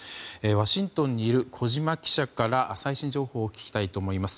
ワシントンにいる小島記者から最新情報を聞きたいと思います。